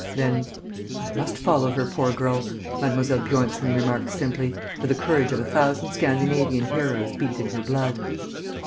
Then, "I must follow her, poor girl," Mlle. Bjornsen remarked simply, for the courage of a thousand Scandinavian heroes beat in her blood.